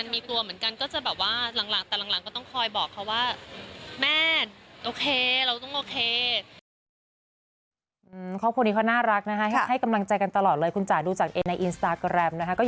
มีกลัวเหมือนกันก็จะแบบว่าหลัง